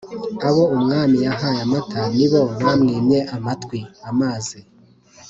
Abo umwami yahaye amata nibo bamwimye amatwi (amazi).